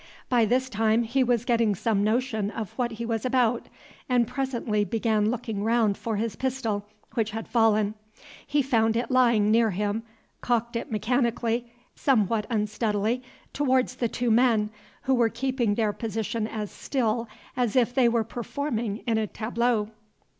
By this time he was getting some notion of what he was about, and presently began looking round for his pistol, which had fallen. He found it lying near him, cocked it mechanically, and walked, somewhat unsteadily, towards the two men, who were keeping their position as still as if they were performing in a tableau.